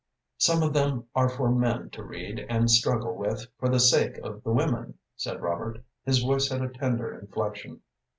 "Some of them are for men to read and struggle with for the sake of the women," said Robert. His voice had a tender inflection.